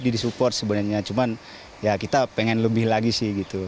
dan membuat timnasnya lebih tegas